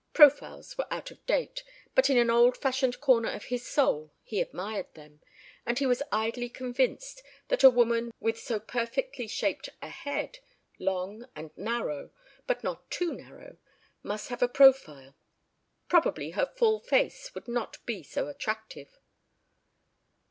Profiles were out of date, but in an old fashioned corner of his soul he admired them, and he was idly convinced that a woman with so perfectly shaped a head, long and narrow, but not too narrow, must have a profile. Probably her full face would not be so attractive.